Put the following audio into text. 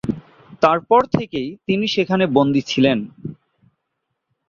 তারপর থেকেই তিনি সেখানে বন্দী ছিলেন।